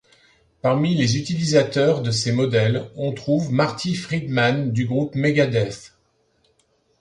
Parmi les utilisateurs de ces modèles, on trouve Marty Friedman du groupe Megadeth.